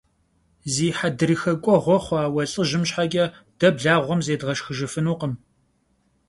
Zi hedrıxe k'ueğue xhua vue lh'ıjım şheç'e de blağuem zêdğeşşxıjjıfınukhım.